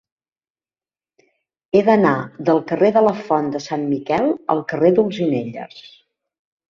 He d'anar del carrer de la Font de Sant Miquel al carrer d'Olzinelles.